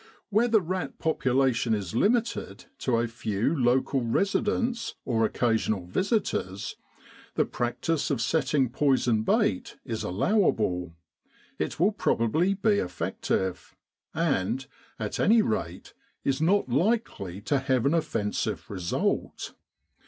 Where the rat population is limited to a few local residents or occasional visitors, the practice of setting poison bait is allowable ; it will probably be effective, and, at any rate, is not likely to have an offensive result.